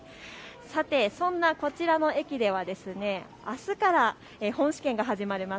そんなこちらの駅ではあすから本試験が始まります